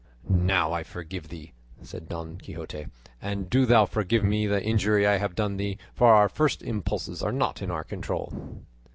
"Now I forgive thee," said Don Quixote; "and do thou forgive me the injury I have done thee; for our first impulses are not in our control."